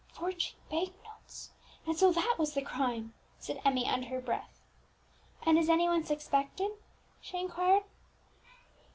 "Forging bank notes! so that was the crime!" said Emmie under her breath. "And is any one suspected?" she inquired.